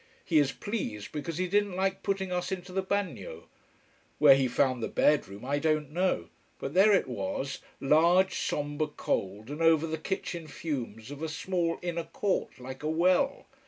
He is pleased, because he didn't like putting us into the bagnio. Where he found the bedroom I don't know. But there it was, large, sombre, cold, and over the kitchen fumes of a small inner court like a well.